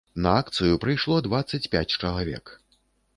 На акцыю прыйшло дваццаць пяць чалавек.